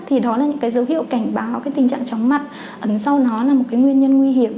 thì đó là những cái dấu hiệu cảnh báo cái tình trạng chóng mặt ẩn sau nó là một cái nguyên nhân nguy hiểm